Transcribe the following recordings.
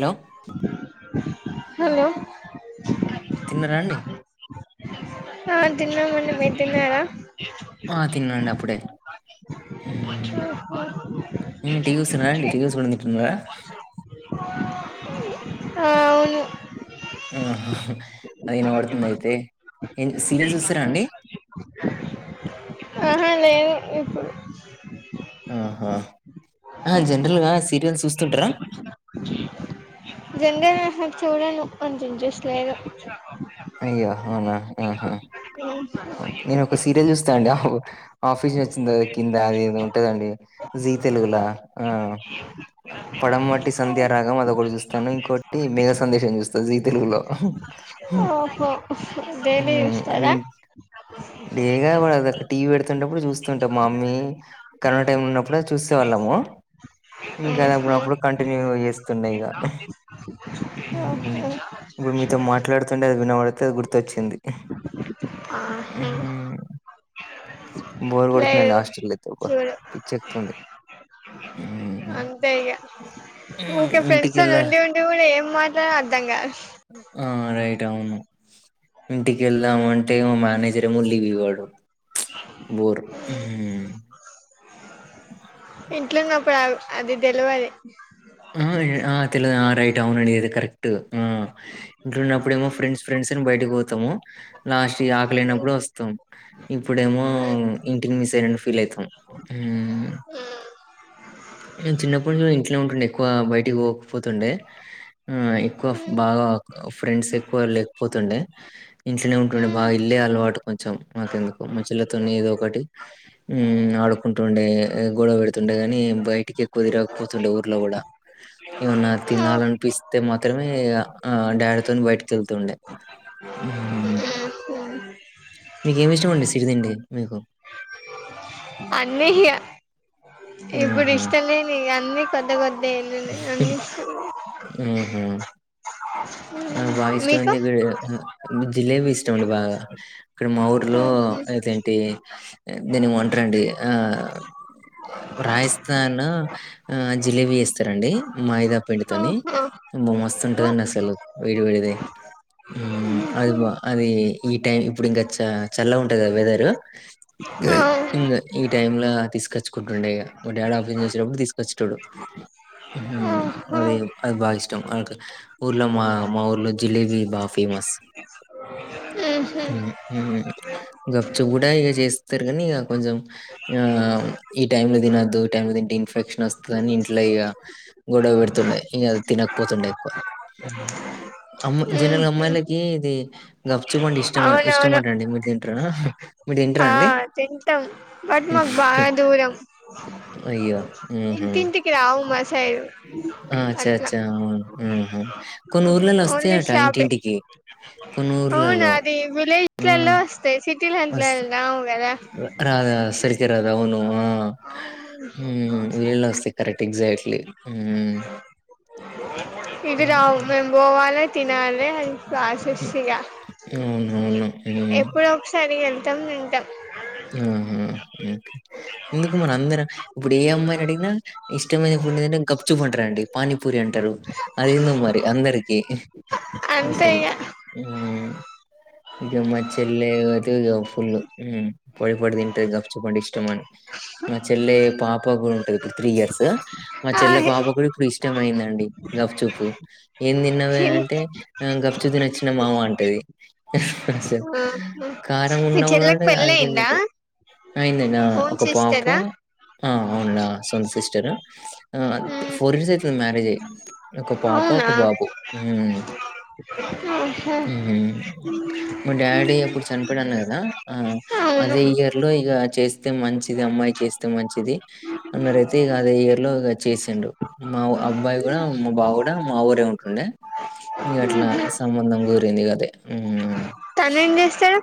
Hello hello తిన్నారా అండి ఆ తిన్నామండి మీరు తిన్నార ఆ తిన్నాండి అప్పుడే ఊ ఊ టీయూస్నారాండి టీయూస్ కొడుందింటున్నారా ఆ అవును ఆ అది విన పడుతుంది అయితే. ఏం- సీరియల్స్ చూస్తారా అండి ఆహా లేదు ఇప్పుడు. ఆహా ఆ జనరల్ గా సీరియల్స్ చూస్తుంటరా. జనరల్ గా అహ చూడను కొంచం జస్ట్ లైకు. అయ్యా అవునా ఆహా నేను ఒక సీరియల్ చూస్త్. తా అండి అహు ఆఫీస్ వచ్చింది తర కిందా అది ఏదో ఉంటదండి. జీ తెలుగులా ఆ పడమటి సంధ్యారాగం అదకొటి చూస్తాను ఇంకోటి మెఘ సందేశం చూస్త జీ తెలుగులో. ఓహో ఊ డైలీ నీ చూస్తారా డేగా బడదక్క టీవీ పెడుతుంటప్పుడు చూస్తుంటా మా మమ్మీ. కరోనా టైం లున్నప్పుడు అది చూస్తేవాళ్ళమూ. ఇంకా అది ఉహు అప్పుడప్పుడు కంటిన్యూగ చేస్తున్నా ఇగా. ఊహు ఓహో ఇప్పుడు మీతో మాట్లాడుతుంటే అది వినబడితే అది గుర్తొచ్చింది. ఆహా ఉహ్ము బోర్ కొడుతుందండి లేదు హాస్ట్రల్ అయితే అబ్బా చూడు పిచ్చెక్కుతుంది. ఊఉ అంతే ఇగ ఊకే ఫ్రెండ్స్ తోని ఉండి ఉండి కూడా ఏం మాట్లాడాలో అర్థం గాదు. ఆ రైట్ అవును ఇంటికి ఎళ్దామని అంటే మా మేనేజర్ ఏమో లీవ్ ఇవ్వడు. అ బోరు హ్మూ ఇంట్లున్నప్పుడు అవ్ అది దెల్వది. ఆహ ఈ ఆ తెల్వదు ఆ రైటు అవునండి ఇది కరెక్టూ. ఆ ఇంట్లున్నప్పుడు ఏమో ఫ్రెండ్స్ ఫ్రెండ్స్ అని బయటకి పోతము లాస్ట్ ఇగా ఆకలైనప్పుడు వస్త్. తం ఇప్పుడేమో ఇంటిని మిస్ అయినని ఫీల్ అయిత్ తం హ్మూ నేను చిన్నప్పుడు గూడ ఇంట్లోనే ఉంటుండే. ఎక్కువ బయటికి పోకపోతుండే ఆ ఎక్కువ బాగా. ఫ్రెండ్స్ ఎక్కువా లేకపోతుండే. ఇంట్లోనే ఉంటుండే బాగా ఇల్లే అలవాటు కొంచెం నాకెందుకో మా చెల్లతోని ఏదో ఒకటి. హ్మా ఆడుకుంటుండే గొడవ పెడుతుండే గానీ బయటికి. ఎక్కువ తిరగకపోతుండే ఊర్లో కూడా ఏవన్నా తినాలి అనిపిస్త్. తే మాత్రమే ఇగా ఆ డాడీతోని బయటికి ఎళ్తుండే. ఆఓ మీకేమి ఇష్టంమండి సిరిదిండి మీకు. అన్నీ ఇగాయి ఇప్పుడు హుహు. ఇష్టలేని అన్నీ కొద్ది కొద్ద్. ఊహు నాకు బాగా ఇష్టం మీకు ఐంది గుడ్ ఆ జిలేేబీ ఇష్టమండి బాగా. ఇక్కడ మా ఊర్ళో అదేంటీ దాన్ని ఏమో అంటరండి ఆ. రాజస్థాన్ ఆ ఆ జిలేబీ చేస్తరండీ మాయిదా పండితోని. ఓహో అమ్మ ఓహో మస్తుంటదండి అసలు వేడి వేడిది. ఊ అది బా అది ఈ టైం ఇప్పుడు ఇంకా చా చల్లగ ఉంటది గదా వెదరు. అే ఇంద ఈ టైమ్ లా తీసుకొచ్చుకుంటుండే ఇగా మా డాడీ ఆఫీస్ నుంచి వచ్చెటప్పుడు తీసుకొచ్చేటోడు. ఓహో అదది అది బాగా ఇష్టం అ ఊర్లో మా. మా ఊర్లో జిలేబీ బా ఫేమస్. ఉహు కొంచెం కూడా ఇక చేస్తారు కానీ ఇక కొంచెం ఆ ఈ టైమ్ లో తినొద్దు ఈ టై లో తిన్ ఇన్ఫెక్షన్ వస్తదని ఇంట్లో ఇగ గొడవ పెడుతుండే ఇంకా తినకపోతుండే ఎక్కువ అమ్మా జనరల్ గా ఉహు అమ్మాయిలకి ఇది గప్చుపండి ఇష్ట ఇష్టం అవునవును మటండి మీరు తింటార మీరు తింటారా అండి బా తింటాం బట్ మాకు బాగా దూరం అయ్యా ఇంటింటికి రావు మా సైడు ఆ అచ్చ అట్లా అచ్చా ఆహా కొన్ని ఊర్లలో వస్తాయటా ఇంటింటికి కొన్ని అవునా ఊర్లలో. అది హ్మ్. విలేజ్లలో వస్తయి సిటీలలో వస్ రావు కదా రాదా సరిగా రాదా అవును ఆ ఉమ్ వెళ్ళ సయ్ కరెక్ట్ ఎక్జాక్ట్లీ ఉమ్ ఇది రావూ మేము పోవాలే తినాలే రాశస్యగా అవునవును. హ్మ్. ఎప్పుడోకసారి వెళ్తాం తింటాం ఆ ఉ ఎందుకు మరీ అందరూ ఇప్పుడు ఏ అమ్మాయి ని అడిగిన ఇష్టమైన ఫుడ్ ఏంటంటే గపచుప్ పంటారు అండి పానీపూరి అంటారు అది ఏందో మరి అందరికి అంతే అసలు ఇగ ఉమ్ ఇగ మాచేల్ అదిగవ ఫుల్ పడి పడి తింటది గప్ చుప్ అంటే ఇష్టం అని మా చెల్లె పాప కు ఉంటది ఇప్పుడు త్రీ ఇయర్స్ మా ఆ చెల్ల పాప కూడా ఇప్పుడు ఇష్టం అయిందండి గఫచూపు ఏం తిన్నవ హిం అంటే ఆ గప్ చుప్ తినచ్చిన మామ అంటది అసలు కారం ఉన్నావుడి అ నా అయిన్ ది నా ఒక పాప ఆ అవునుడా సొంత సిస్టర్ ఆ మ్మ్ ఫోర్ ఇయర్స్ అయితుంది మ్యారేజ్ అయ్ ఒక పాప అవునా ఒక బాబు ఉమ్ ఆహా ఉ అంటే డాడీ అప్పుడు చనిపోయ్ డాడు అన్న కదా అవును అదే ఇయర్ ఇట్లో ఇగ చేస్తే మంచిది అమ్మాయి చేస్తే మంచిది అన్నారయితే ఇగ అదే ఇయర్ లో చేసిండ్రు మా వ్ అబ్బాయి కూడా మా బావ కూడా మా ఊరే ఉంటుండే గట్లా సంబంధం గురింది అదే తను ఏం చేస్తాడు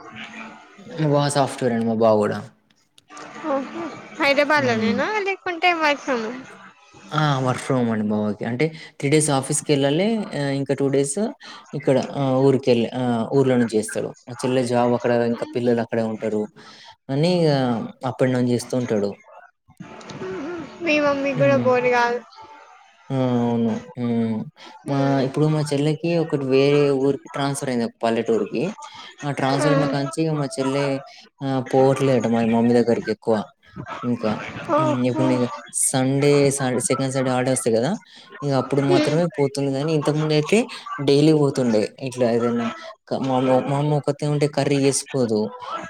మా బా సాఫ్టువేర్ అండి మా బావ్ కూడా ఓ హ్మ్. హైదరాబాద్లోనేనా లేకుంటే వర్క్ ఫ్రమ్ ఆ వర్క్ ఫ్రమ్ అండి బా ధి అంటే త్రీ డేస్ ఆఫీస్కి కెళ్ళాలి ఆ ఇంకా టూ డేస్ ఇక్కడ ఊరికెళ్ళ ఆ ఊర్లో నుంచి చేస్తాడు చెల్లె జాబ్ అక్కడ ఇంకా పిల్లలు అక్కడే ఉంటారు అని ఇగా అప్ అండ్ డౌన్ చేస్తూ ఉంటాడు మీ మమ్మీ కూడా హ్మ్. బోర్ గాదు ఆ అవును ఉమ్ మా మ్మ్ ఇప్పుడు మా చెల్లె కి ఒకటి వేరే ఊరికి ట్రాన్స్ఫర్ అయింది ఒక పల్లెటూరీకి ఆ ట్రాన్స్ఫర్ అయిన మ్మ్ కాంచి మా చెల్లె ఆ పోవట్లేట మా మమ్మీ దగ్గరికి ఎక్కువ ఇంకా ఓహో ఇప్పుడు సండే సెకండ్ సాటర్డే హాలిడే వస్తే కదా ఇగా అప్పుడు మ్మ్ మాత్రమే పోతుంది కానీ ఇంత ముందు అయితే డైలీ పోతుండే ఇట్లా ఏదైనా మా మామ్మ ఒకతే ఉంటే కర్రీ చేసుకోదు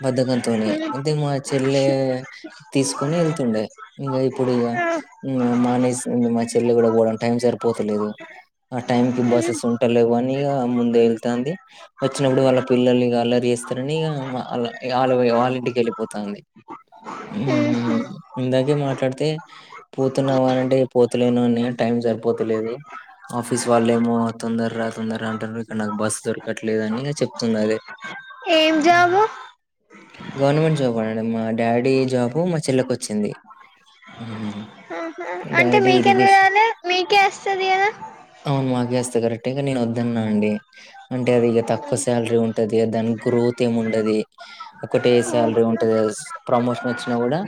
బధకంతోని మ్మ్ అంటే మా చెల్లె తీసుకొని వెళ్తుండే ఇగా ఇప్పుడు ఇక ఆ మానేసింది మా చెల్లె చెల్లి కూడా పోవటానికి టైం సరిపోతలేదు ఆ టైమ్ కి బస్సెస్ ఉ లేవ్వని ఇగా ముందే ఎళ్తాంది వచ్చినప్పుడు వాళ్ళ పిల్లలు ఇగా అల్లరి చేస్తారని ఇగా వాళ్ల ఇగా అల్లు ఇగా వాళ్ళింటికి వెళ్ళిపోతున్నారు, ఉహు మ్మ్ ఇందాకే మాట్లాడితే పోతున్నావనంటే ఇగా పోత్ తెలియదు అన్నయ్య టైం సరిపోతలేదు ఆఫీస్ వాళ్ళేమో తొందర రా తొందర రా అంటారు ఇక్కడ నాకు బస్సు దొరకట్లేదు అని ఇగా చెప్తుంది అదే ఏం ఉ జాబు గవర్నమెంట్ జాబ్ అండీ మా డాడీ జాబు మా చెల్లెకి వచ్చింది, ఆహా డాడీ మరి ఇరిగేషన్ అది మీకే అస్తది కదా అవును మాకే అస్తది కరెక్టే ఇగ నేనోద్దన్నా అండి అంటే అది ఇగా తక్కువ శాలరీ ఉంటది దాని గ్రోత్ ఏమీ ఉండది ఒకటే శాలరీ ఓహో ఉంటదది ప్రమోషన్ వచ్చినా కూడా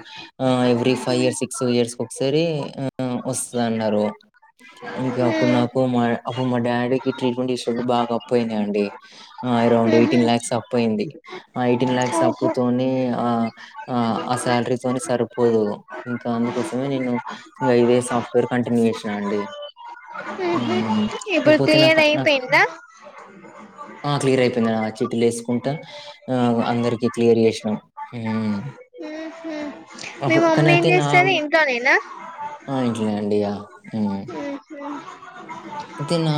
ఆ every five years six years ఒకసారి ఆ వస్తదన్నారు ఇంకా అప్పుడు మ్మ్ నాకు మా అప్పుడు మా డాడీకి ట్రీట్మెంట్ ఇచ్చేటప్పుడు బాగా అప్పయిదండి ఆ అరౌండ్ మ్మ్ హు ఎయిటీన్ లాక్స్ అప్పయింది ఆ ఎయిటీన్ లాక్స్ ఓహో అప్పుతోని ఆ ఆ ఆ శాలరీతోని సరిపోదు ఇంకా అందుకోసమే నేను ఇంగా ఇదే సాఫ్ట్వేర్ కంటిన్యూ చేసినా అండి ఉ ఉహు ఉ ఇప్పుడు లేకపోతే నాక క్లియర్ నాక్ అయిపోయిందా [unintelligible] ఆ క్లియర్ అయిపోయిందండి ఆ చిట్టిలేసుకుంటా ఆవ్ అందరికి క్లియర్ చేసినం ఉ ఉహు మీ అహు కని మమ్మీ ఏం అతినామ్ చేస్తది ఇంట్లోనేనా మా ఇంట్లనే అండి ఇగా ఉ ఉహు అయితే నా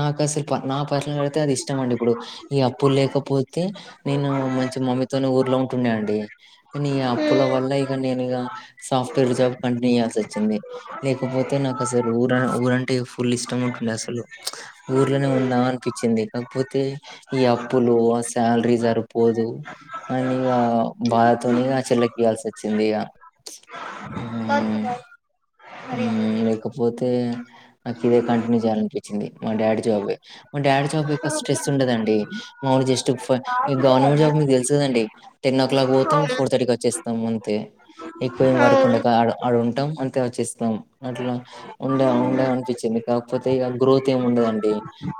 నాకసలు ప నా పట్లను కడిగితే అది ఇష్టమండి ఇప్పుడు ఇగా అప్పుల్ లేకపోతే నేను మంచిగా మమ్మీతోని ఊర్లో ఉంటుండే అండి నీ అప్పుల ఉమ్ వల్ల ఇగా నేనిగ సాఫ్ట్వేర్ జాబ్ కంటిన్యూ చేయాల్సి వచ్చింది, లేకపోతే నాకసలు ఊర ఊరంటే ఫుల్లు ఇష్టముంటుండే అసలు ఊర్లోనే ఉందాం అనిపిచ్చింది కాకపోతే ఈ అప్పులు ఆ సాలరీ సరిపోదు అని ఇగా బాధతోనే ఇగా చెల్లెకి ఇయాల్సోచ్చింది ఇగా [unintelligible] ఉ లేకపోతే నాకిదే కంటిన్యూ చేయాలనిపిచ్చింది మా డాడీ జాబే మా డాడీ జాబ్ ఎక్కువ స్ట్రెస్ ఉండదండి మాములు జస్ట్ ఫ ఇగా గవర్నమెంట్ జాబ్ మీకు తెలుసుకాదండి టెన్ ఓ క్లాక్ పోతాం ఫోర్ థర్టీకచ్చేస్తాం అంతే ఎక్కువ ఏం వర్క్ అవును ఉండదు ఆడ ఆడుంటాం అంతే వచ్చేస్తాం తం అట్లా ఉండాం ఉందాం అనిపిచ్చింది కాకపోతే ఇగా గ్రోత్ ఏమ్ ఉండదండి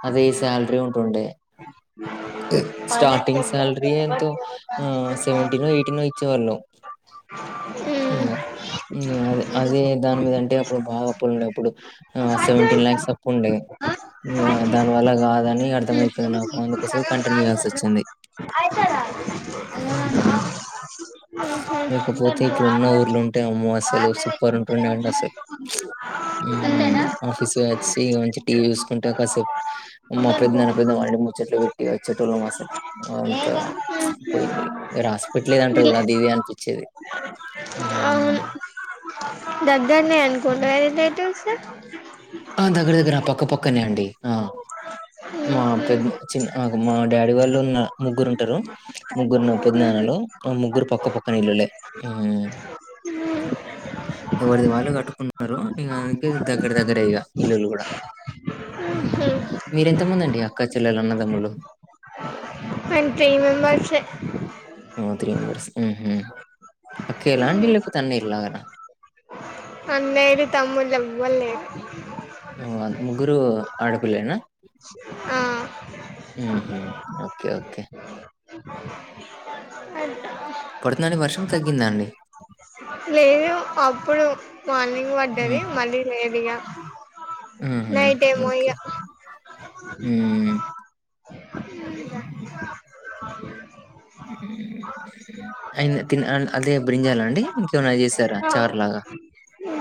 అదే సాలరీ ఉంటుండే స్టార్టింగ్ సాలరీ ఎంతో ఉ సెవెంటీనో ఎయిటీనో ఇచ్చేవాళ్ళు ఉమ్ ఇగ ఇంగ అది అదేన్ దాని మీద అంటే అప్పుడు బాగా అప్పులుండే అప్పుడు ఆ సెవెంటీన్ ల్యాక్స్ అప్పుండే ఇగ దాని వల్ల కాదని అర్థమయిపోయింది నాకు అందుకోసమే ఇది కంటిన్యూ చేయాల్సోచ్చింది అయితదా ఉ హు లేకపోతే ఇప్పుడు ఉన్న ఊర్లుంటే అమ్మో అస్సలు సూపర్ ఉంట్ లేకపోతే మా ఇల్లు కొనుక్కుంటారా ఉ ఆఫీస్ పోయచ్చి ఇగ మంచిగా టీవీ చూసుకుంట కాసేప్ మా పెద్దనాన్న పెద్దమ్మ అల్లింటిక్ ముచ్చట్లు పెట్టి వచ్చెటోల్లముఆసలు అంత పోయింది ఇగ రాసిపెట్టిలేదంటారు విల్ చూడు అది ఇది అనిపిచ్చేది ఉ దగ్గర్నే అనుకుంటగా రిలేటివ్స్ ఆ దగ్గర దగ్గర పక్కపక్కనే అండి ఆ మా ఉహు పెద్ద చిన్న మా డాడీ వాళ్ళు ఉన్న ముగ్గురు ఉంటారు ముగ్గురు ఉన్నారు పెదనాన్నలు ఆ ముగ్గురు పక్క పక్క ఇల్లులే ఉమ్. ఉ ఎవరిది వాళ్ళు కట్టుకున్నారు ఇక అందుకే దగ్గర దగ్గర ఇగా ఇల్లులు కూడా ఉహు మీరేఎంతమంది అండి అక్క చెల్లలు అన్నదమ్ములు మేం త్రీ మెంబర్స్ ఓ త్రీ మెంబర్స్ ఊ హు అక్క ఎలా లేకుంటే అన్నయ్య లాగా లేరు తమ్ములు ఎవలు లేరు ఉ ముగ్గురు ఆడపిల్లలే నా ఆ ఉహు ఓకే ఓకే అ ట్ పడుతుందడి వర్షం తగ్గిందండి లేదు అప్పుడు మార్నింగ్ పడ్డది ఉహుం. మళ్ళీ లేదుఈగా నైట్ ఏమో ఇగ ఉ అయి త అదే బ్రింజాల అండి ఇంకేమనా చేస్తారా ఇగ చారు లాగా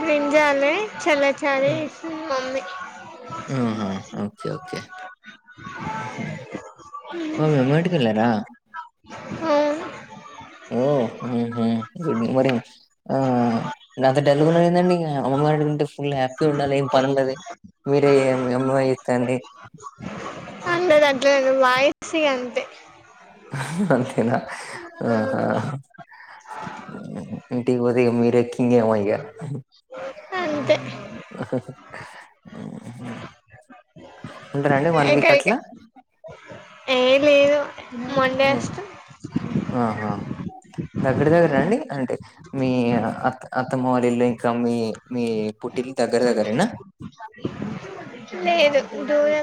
బ్రింజాలే చల్లచారు ఉమ్. చేసింది మమ్మీ ఆహా ఓకే ఓకే మమ్మీ బయటికి వెళ్లారా అవును ఓ ఉహు గుడ్ మార్నింగ్ ఆ అంత డల్ గా ఏందండి అమ్మమ్మ వాళ్ళ ఇంటికాడ ఉంటే ఫుల్ హ్యాపీగా ఉండాలి ఏం పని ఉండదు మీరే మీ అమ్మమ్మ చెస్తాంది ఆ ఉండది అట్లాంనే నా వాయిస్ ఇగ అంతే అంతేనా ఆహా ఇంటికి పోతే ఇగ మీరే కింగ్ ఏమో ఇగ ఉ ఆ ఆ హా ఉంటారండి వన్ వీక్ ఎక్కడికి అట్లా ఏ లేదు మండే హ్మ్. వస్త ఆహా దగ్గర దగ్గర అండి అంటే మీ అత్త అత్తమ్మవళ్ళిలో ఇంకా మీ మీ పుట్టిలు దగ్గర దగ్గరేనా చ లేదు దూరమె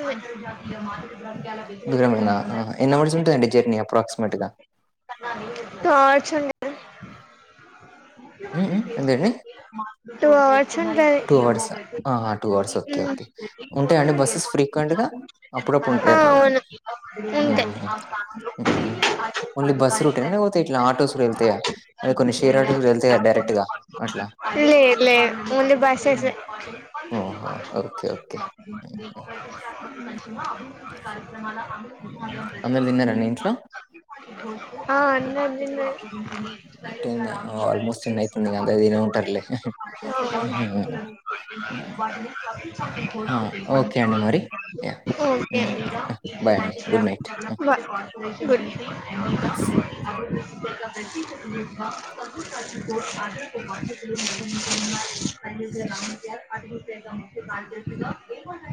దూరమేనా ఎన్న అవర్స్ ఉంటయి అండి జర్నీ అప్రాక్సిమేట్ గా ఆ వచ్చిండే ఉహ్ ఎంటాది టూ వచ్చింటది అవర్స్ ఆహా టూ అవర్స్ ఓకే ఉ ఓకే ఉంటాయండి బస్సెస్ ఫ్రీక్వెంట్ గా అప్పుడప్పుడు ఆ ఉంటాయండి ఉహు అవును ఉంటాయి ఉహ్ ఓన్లీ బస్ రూటేనా పోతాయి ఇట్లా ఆటోస్ కూడా వెళ్తాయా అది కొన్ని షేర్టోస్ వెలతయా డైరక్ట్ గా అట్లా లే లే ముందు బాస్సేసే ఆహా ఓకే ఓకే హుహు. మంచి అభివృద్ధి కార్యక్రమాల అమె హ్మ్. విభాగం పె అందరు తిన్నారండి ఇంట్లో ఆ అన్నం తిన్నది ట్టుంది ఆల్మోస్ట్ టెన్ అయితుంది ఇగా అంత తినే ఉంటారులే బ ఆ అండి మరి yeah okay bye good night అండి వవ ఎన్నిక మాటీ ముఖ్య కార